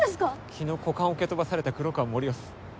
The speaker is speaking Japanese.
昨日股間を蹴飛ばされた黒川森生っす。